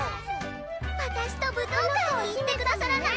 私と舞踏会に行ってくださらない？